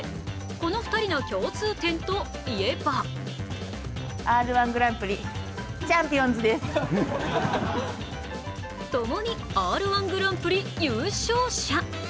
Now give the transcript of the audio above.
この２人の共通点といえばともに「Ｒ−１グランプリ」優勝者。